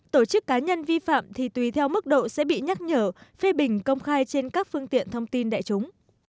tổ chức cá nhân vi phạm thì tùy theo mức độ sẽ bị nhắc nhở phê bình công khai trên các phương tiện thông tin đại chúng